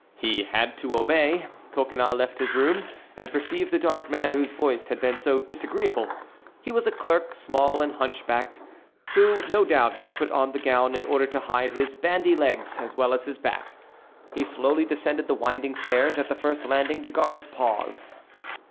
He had to obey. Coconnas left his room, and perceived the dark man whose voice had been so disagreeable. He was a clerk, small and hunchbacked, who no doubt had put on the gown in order to hide his bandy legs, as well as his back. He slowly descended the winding stairs. At the first landing the guards paused.